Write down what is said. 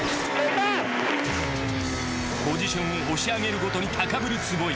ポジションを押し上げるごとに高ぶる坪井。